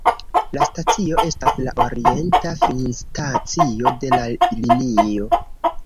La stacio estas la orienta finstacio de la linio.